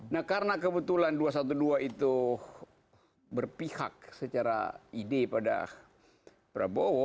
nah karena kebetulan dua ratus dua belas itu berpihak secara ide pada prabowo